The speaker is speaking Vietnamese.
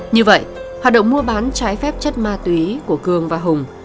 như vậy hoạt động mua bán trái phép chất ma túy của cường và hùng